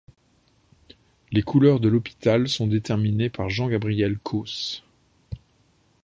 Les couleurs de l'hopital sont déterminées par Jean-Gabriel Causse.